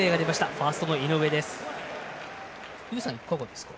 ファーストの井上です。